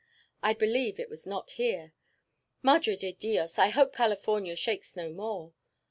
I believe it was not here. Madre de Dios, I hope California shakes no more.